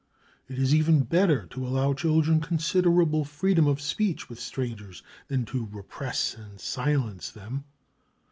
It is even better to allow children considerable freedom of speech with strangers, than to repress and silence them.